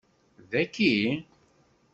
Dagi?